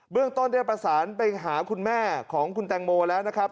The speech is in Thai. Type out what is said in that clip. เรื่องต้นได้ประสานไปหาคุณแม่ของคุณแตงโมแล้วนะครับ